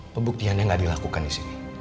pebuktiannya gak dilakukan disini